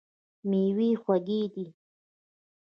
میوې خوږې دي.